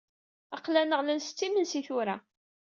Aql-aneɣ la nsett imensi tura.